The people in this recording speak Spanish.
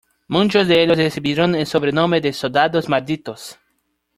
Muchos de ellos recibieron el sobrenombre de "soldados malditos".